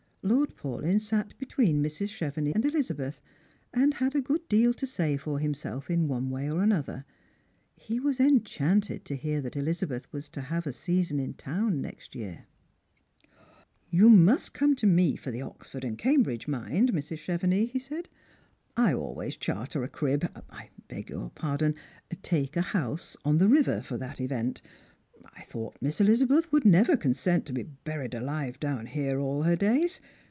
Lord Paulyn sat between Mrs. Chevenix and Elizabeth, and had a good deal to say for himself in one way or another. He was enchanted to hear that Eliza beth was to have a season in town next year. Strangers and Pilgrims. 105 " You must come to me for the Oxford and Cambridge, mind. Mrs. Cheveuix," he said. " I always charter a crib— I beg your Sardou — take a house on the river for that event. I thought [is3 EHzabeth would never consent to be buried alive down here all her days.